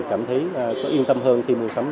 cảm thấy yên tâm hơn khi mua sắm